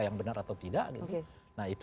yang benar atau tidak gitu